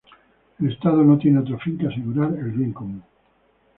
El Estado no tiene otro fin que asegurar el bien común.